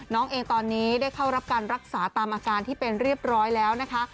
น้องเองตอนนี้ได้เข้ารับการรักษาตามอาการที่เป็นเรียบร้อยแล้วนะคะ